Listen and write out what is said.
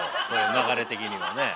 流れ的にはねえ。